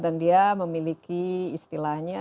dan dia memiliki istilahnya